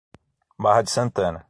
Barra de Santana